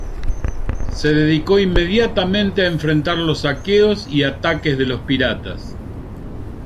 Se dedicó inmediatamente a enfrentar los saqueos y ataques de los piratas.